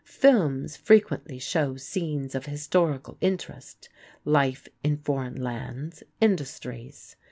Films frequently show scenes of historical interest, life in foreign lands, industries.